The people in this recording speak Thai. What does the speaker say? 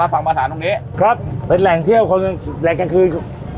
ฝั่งมาฐานตรงนี้ครับเป็นแหล่งเที่ยวคนแหล่งกลางคืน